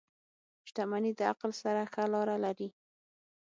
• شتمني د عقل سره ښه لاره لري.